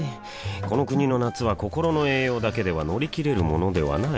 この国の夏は心の栄養だけでは乗り切れるものではない